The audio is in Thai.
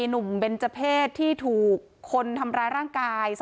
หนุ่มเบนเจอร์เพศที่ถูกคนทำร้ายร่างกาย